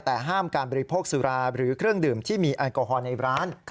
แต่ห้ามการบริโภคสุราหรือเครื่องดื่มที่มีแอลกอฮอลในร้าน